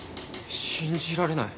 信じられない。